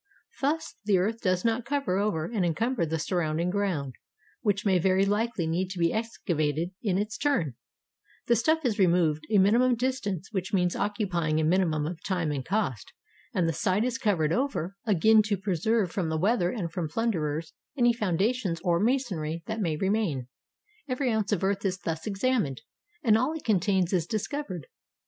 Thus the earth does not cover over and enciunber the surrounding ground, which may very likely need to be excavated in its turn ; the stuff is removed a minimum distance, which means occupying a minimimi of time and cost; and the site is covered over 78 HOW TO EXCAVATE A BURIED TOWN again, to preserve from the weather and from plunderers any foimdations or masonry that may remain. Every oimce of earth is thus examined, and all it contains is discovered.